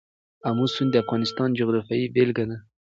آمو سیند د افغانستان د جغرافیې بېلګه ده.